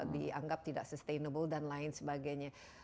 dianggap tidak sustainable dan lain sebagainya